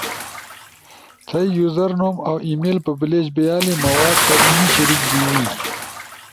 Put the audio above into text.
تھئی یوزر نوم اؤ ای میل پبلیش بیالی مواد ست نی شریک بینی۔